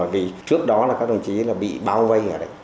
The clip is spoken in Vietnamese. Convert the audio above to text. vì trước đó các đồng chí bị bao vây ở đấy